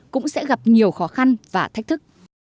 cũng sẽ gặp nhiều khó khăn và thách thức